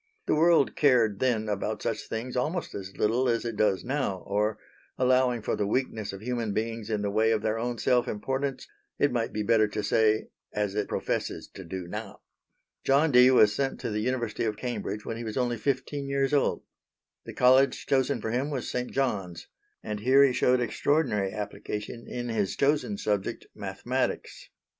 The world cared then about such things almost as little as it does now; or, allowing for the weakness of human beings in the way of their own self importance, it might be better to say as it professes to do now. John Dee was sent to the University of Cambridge when he was only fifteen years old. The College chosen for him was St. John's, and here he showed extraordinary application in his chosen subject, mathematics.